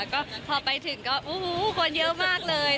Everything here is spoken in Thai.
ก็พอไปถึงก็คนเยอะมากเลย